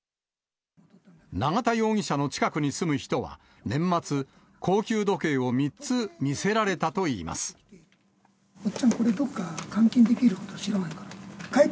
永田容疑者の近くに住む人は、年末、高級時計を３つ見せられたおっちゃん、これどっか、換金できるところ知らないかって。